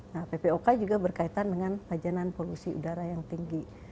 nah ppok juga berkaitan dengan pajanan polusi udara yang tinggi